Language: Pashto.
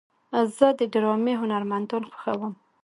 زه د ډرامې هنرمندان خوښوم.